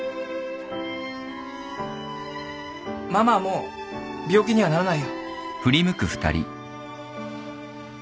ママはもう病気にはならないよ。